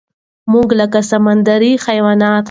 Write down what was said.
مونږ لکه سمندري حيوانات